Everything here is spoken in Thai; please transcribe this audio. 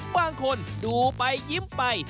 บางคนดูไปยิ้มไป